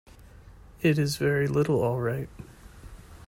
It is very little all right.